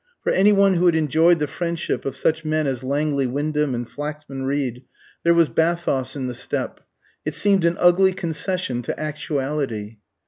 For any one who had enjoyed the friendship of such men as Langley Wyndham and Flaxman Reed, there was bathos in the step; it seemed an ugly concession to actuality.